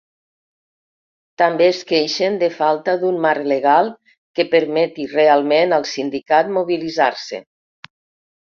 També es queixen de falta d'un marc legal que permeti realment al sindicat mobilitzar-se.